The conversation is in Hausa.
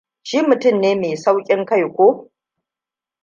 Shi mutum ne mai sauƙin kai, ko.